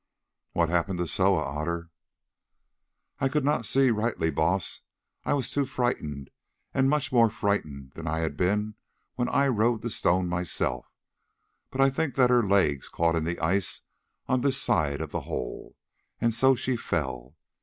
"What happened to Soa, Otter?" "I could not see rightly, Baas, I was too frightened, much more frightened than I had been when I rode the stone myself; but I think that her legs caught in the ice on this side of the hole, and so she fell.